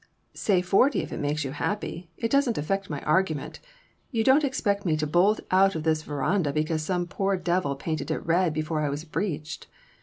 "Say forty if it makes you happy. It doesn't affect my argument. You don't expect me to bolt out of this verandah because some poor devil painted it red before I was breeched?